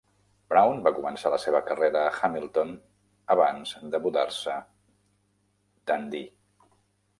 Brown va començar la seva carrera a Hamilton abans de mudar-se Dundee.